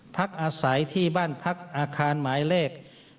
พักอาศัยที่บ้านพักอาคารหมายเลข